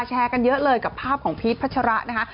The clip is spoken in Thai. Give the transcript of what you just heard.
แชร์กันเยอะเลยกับภาพของพีชพัชระนะคะ